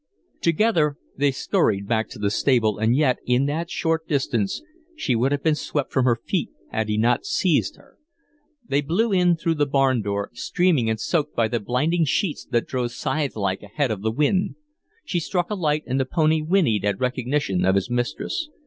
Together they scurried back to the stable, and yet, in that short distance, she would have been swept from her feet had he not seized her. They blew in through the barn door, streaming and soaked by the blinding sheets that drove scythe like ahead of the wind. He struck a light, and the pony whinnied at recognition of his mistress.